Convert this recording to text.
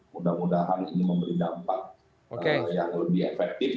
mudah mudahan ini memberi dampak yang lebih efektif